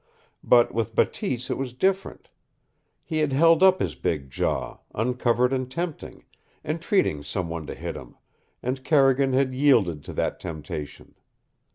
But with Bateese it was different. He had held up his big jaw, uncovered and tempting, entreating some one to hit him, and Carrigan had yielded to that temptation.